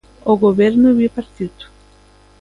O Goberno bipartito.